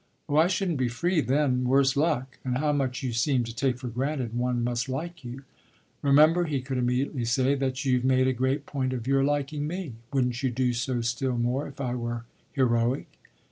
"Oh I shouldn't be free then, worse luck. And how much you seem to take for granted one must like you!" "Remember," he could immediately say, "that you've made a great point of your liking me. Wouldn't you do so still more if I were heroic?"